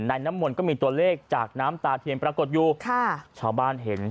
น้ำมนต์ก็มีตัวเลขจากน้ำตาเทียนปรากฏอยู่ค่ะชาวบ้านเห็น